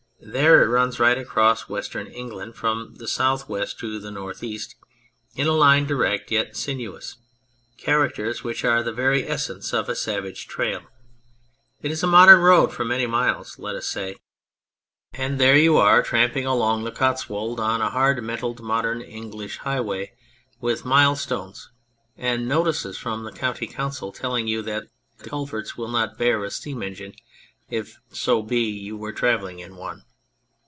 There it runs right across Western England from the south west to the north east, in a line direct yet sinuous, characters which are the very essence of a savage trail. It is a modern road for many miles, let us say ; and there 137 On Anything you are tramping along the Cotswold on a hard metalled modern English highway, with milestones and notices from the county council telling you that the culverts will not bear a steam engine, if so be you were travelling in one.